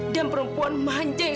dan perempuan manja yang